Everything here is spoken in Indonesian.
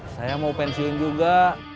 saya mau pensiun juga